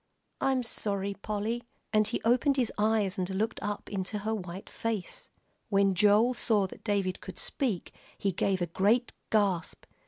I'm sorry, Polly," and he opened his eyes and looked up into her white face. When Joel saw that David could speak, he gave a great gasp.